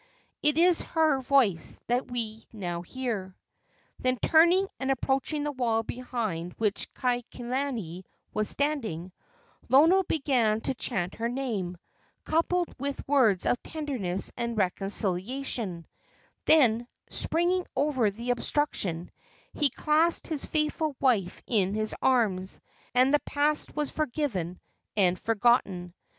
It is her voice that we now hear." Then, turning and approaching the wall behind which Kaikilani was standing, Lono began to chant her name, coupled with words of tenderness and reconciliation; then, springing over the obstruction, he clasped his faithful wife in his arms, and the past was forgiven and forgotten.